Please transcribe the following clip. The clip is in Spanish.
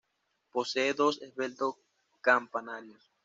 Posee dos esbeltos campanarios.